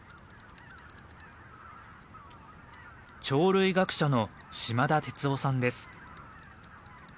鳥類学者の嶋田哲郎さんです。